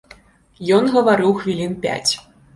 Ён гаварыў хвілін пяць.